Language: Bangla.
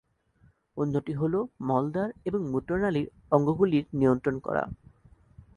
অন্যটি হল মলদ্বার এবং মূত্রনালির অঙ্গগুলির নিয়ন্ত্রণ করা।।।